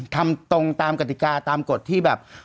ทำตรงตามกติกาตามกฎที่แบบ